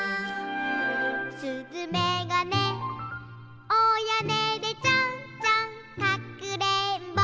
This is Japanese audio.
「すずめがねおやねでちょんちょんかくれんぼ」